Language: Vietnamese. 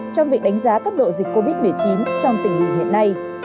trong việc đánh giá cấp độ dịch covid một mươi chín trong tình hình hiện nay